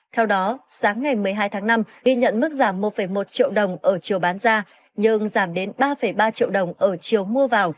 theo đó sáng ngày một mươi hai tháng năm ghi nhận mức giảm một một triệu đồng ở chiều bán ra nhưng giảm đến ba ba triệu đồng ở chiều mua vào